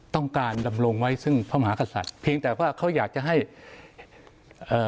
ต้องการดำรงไว้ซึ่งพระมหากษัตริย์เพียงแต่ว่าเขาอยากจะให้เอ่อ